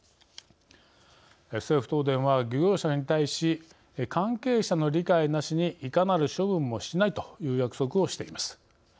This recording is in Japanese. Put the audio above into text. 政府・東電は漁業者に対し「関係者の理解なしにいかなる処分もしない」という約束をしています。